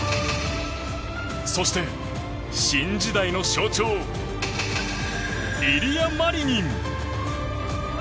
そして、新時代の象徴イリア・マリニン。